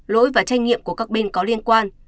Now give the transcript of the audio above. lỗi và tranh nghiệm của các bên có liên quan